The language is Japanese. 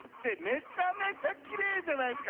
めちゃめちゃきれいじゃないっすか。